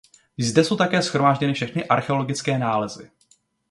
Zde jsou také shromážděny všechny archeologické nálezy.